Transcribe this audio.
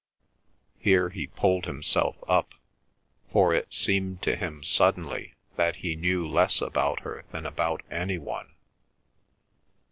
Here he pulled himself up, for it seemed to him suddenly that he knew less about her than about any one.